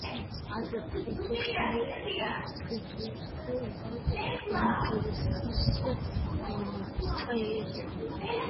ადრე ფრიდრიხ ენგელსის ქუჩა ერქვა.